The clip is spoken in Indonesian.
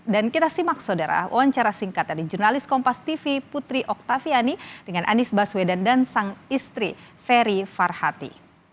dan kita simak saudara wawancara singkat dari jurnalis kompas tv putri oktaviani dengan anies baswedan dan sang istri ferry farhati